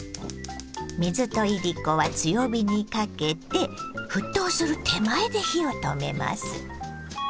水といりこは強火にかけて沸騰する手前で火を止めます。